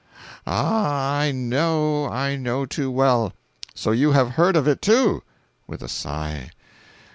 Ah, I know—I know too well. So you have heard of it too." [With a sigh.